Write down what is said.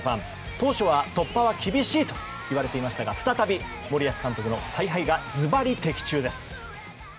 当初は突破は厳しいといわれていましたが、再び森保監督の采配がズバリ的中です。